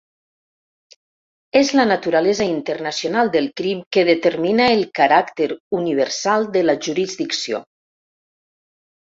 És la naturalesa internacional del crim que determina el caràcter universal de la jurisdicció.